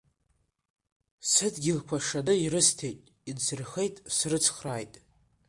Сыдгьылқәа шаны ирысҭеит, инсырхеит, срыцхрааит.